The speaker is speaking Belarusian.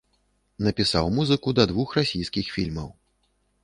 Напісаў музыку да двух расійскіх фільмаў.